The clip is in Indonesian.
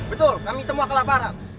betul kami semua kelabaran